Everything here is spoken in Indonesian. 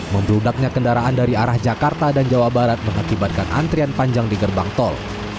membludaknya kendaraan dari arah jakarta dan jawa barat mengakibatkan antrian panjang di gerbang tol